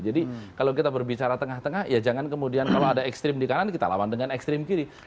jadi kalau kita berbicara tengah tengah ya jangan kemudian kalau ada ekstrim di kanan kita lawan dengan ekstrim kiri